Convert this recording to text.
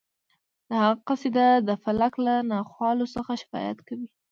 د هغه قصیده د فلک له ناخوالو څخه شکایت کوي